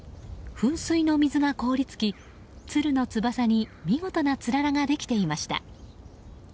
噴水の水が氷りつきツルの翼に見事なつららができていました。